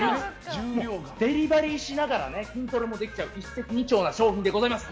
デリバリーしながら筋トレもできちゃう一石二鳥な商品でございます。